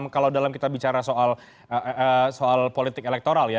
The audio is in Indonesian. kalau dalam kita bicara soal politik elektoral ya